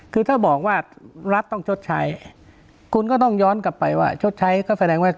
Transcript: คือถ้าบอกว่ารัฐต้องชดใช้คุณก็ต้องย้อนกลับไปว่าชดใช้ก็แสดงว่า